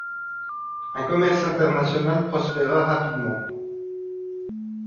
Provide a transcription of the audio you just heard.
Un commerce international prospèra rapidement.